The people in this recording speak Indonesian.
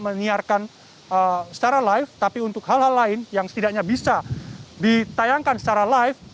menyiarkan secara live tapi untuk hal hal lain yang setidaknya bisa ditayangkan secara live